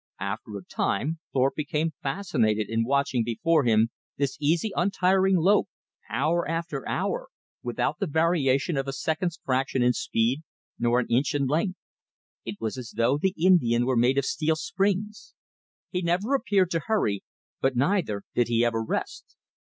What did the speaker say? After a time Thorpe became fascinated in watching before him this easy, untiring lope, hour after hour, without the variation of a second's fraction in speed nor an inch in length. It was as though the Indian were made of steel springs. He never appeared to hurry; but neither did he ever rest.